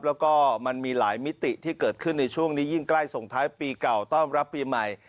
แล้วก็มันมีหลายมิติที่เกิดขึ้นในช่วงนี้ยิ่งใกล้ส่งท้ายปีเก่าต้อนรับปีใหม่